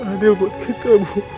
adil buat kita